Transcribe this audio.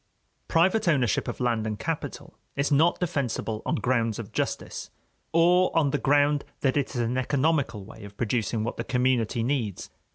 Private ownership of land and capital is not defensible on grounds of justice, or on the ground that it is an economical way of producing what the community needs.